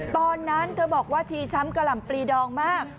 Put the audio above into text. ตอนนั้นเธอบอกว่าชีช้ำกะหล่ำปลีดองมาก